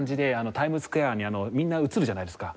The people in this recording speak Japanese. タイムズスクエアにみんな映るじゃないですか通行人。